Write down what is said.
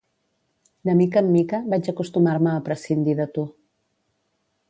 De mica en mica, vaig acostumar-me a prescindir de tu.